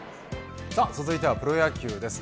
続いてはプロ野球です。